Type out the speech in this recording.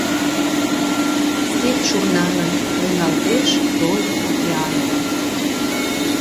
Степь шурнаҥын, лӱҥгалтеш той океанла.